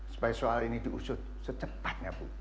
supaya soal ini diusut secepatnya bu